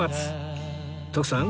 徳さん